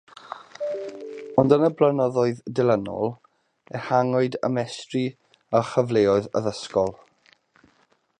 Ond yn y blynyddoedd dilynol, ehangwyd ymrestru a chyfleoedd addysgol.